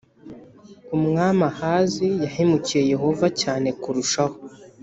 Umwami Ahazi yahemukiye Yehova cyane kurushaho